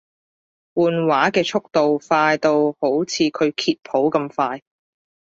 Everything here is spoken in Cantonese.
換畫嘅速度快到好似佢揭譜咁快